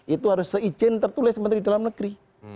itu harus izin tertulis dengan mendagri